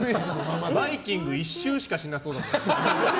バイキング１周しかしなそう。